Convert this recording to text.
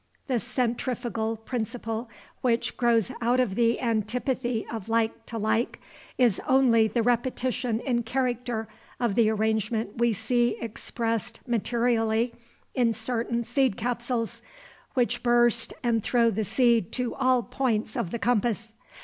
The centrifugal principle which grows out of the antipathy of like to like is only the repetition in character of the arrangement we see expressed materially in certain seed capsules, which burst and throw the seed to all points of the compass.